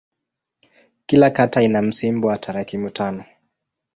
Kila kata ina msimbo wa tarakimu tano.